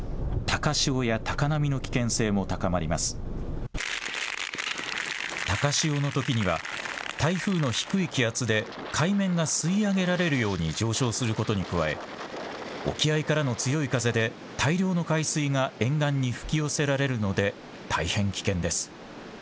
高潮のときには台風の低い気圧で海面が吸い上げられるように上昇することに加え沖合からの強い風で大量の海水が沿岸に吹き寄せられるので大変危険です。